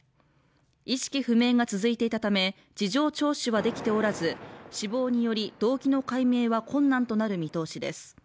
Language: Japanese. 意識不明が続いていたため、事情聴取はできておらず、死亡により、動機の解明は困難となる見通しです。